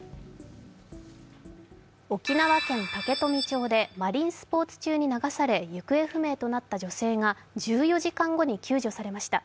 沖縄県竹富町でマリンスポーツ中に流され行方不明となった女性が１４時間後に救助されました。